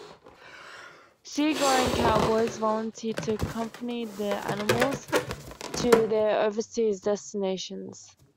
Seagoing cowboys volunteered to accompany the animals to their overseas destinations.